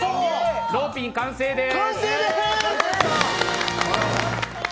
ローピン、完成です！